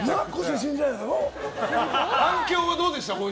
反響はどうでした？